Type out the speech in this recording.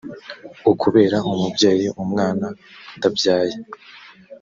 ukubera umubyeyi umwana utabyaye